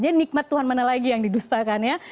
nikmat tuhan mana lagi yang didustakan ya